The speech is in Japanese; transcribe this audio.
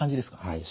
はい。